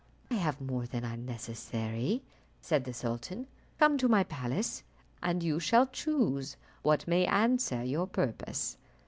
"I have more than are necessary," said the sultan; "come to my palace, and you shall choose what may answer your purpose."